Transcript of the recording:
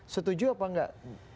setuju apa enggak